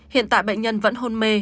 hiện tại bệnh nhân vẫn hôn mê